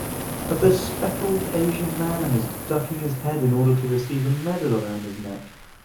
A bespectacled Asian man is ducking his head in order to receive a medal around his neck.